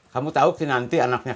kamu tau nantimarket